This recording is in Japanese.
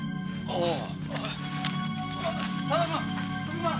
ああ。